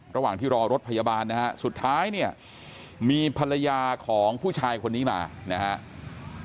ระหว่างที่รอรถพยาบาลนะฮะสุดท้ายเนี่ยมีภรรยาของผู้ชายคนนี้มานะครับ